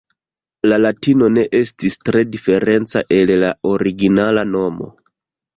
La Latino ne estis tre diferenca el la originala nomo.